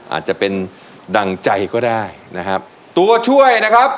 อาจจะเป็นดั่งใจก็ได้นะครับตัวช่วยนะครับ